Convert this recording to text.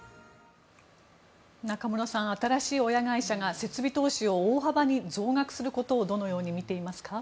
中室さん新しい親会社が設備投資を大幅に増額することをどのように見ていますか？